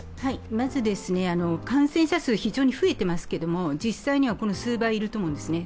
まず、感染者数、非常に増えていますけれども、実際にはこの数倍いると思うんですね。